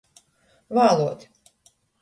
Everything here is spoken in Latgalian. Vāluot.